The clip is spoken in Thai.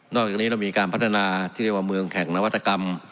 อกจากนี้เรามีการพัฒนาที่เรียกว่าเมืองแข่งนวัตกรรม